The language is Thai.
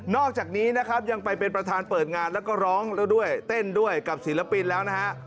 อกจากนี้นะครับยังไปเป็นประธานเปิดงานแล้วก็ร้องแล้วด้วยเต้นด้วยกับศิลปินแล้วนะฮะ